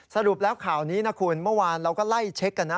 สรุปแล้วข่าวนี้นะคุณเมื่อวานเราก็ไล่เช็คกันนะ